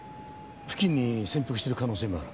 付近に潜伏している可能性もある。